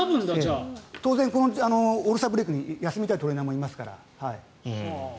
当然、オールスターブレークに休みたいトレーナーもいますから。